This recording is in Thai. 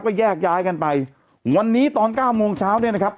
ก็แยกย้ายกันไปวันนี้ตอนเก้าโมงเช้าเนี่ยนะครับ